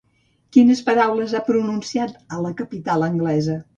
Quines paraules ha pronunciat a la capital anglesa?